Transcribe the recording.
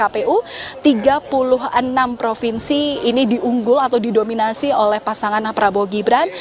kpu tiga puluh enam provinsi ini diunggul atau didominasi oleh pasangan prabowo gibran